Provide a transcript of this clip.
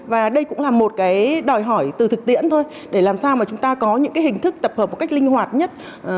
và đây cũng là một cái đòi hỏi từ thực tiễn thôi để làm sao mà chúng ta có những cái hình thức tập hợp một cách linh hoạt nhất